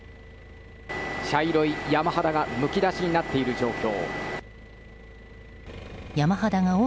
茶色い山肌がむき出しになっている状況。